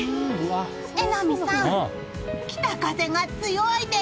榎並さん、北風が強いです。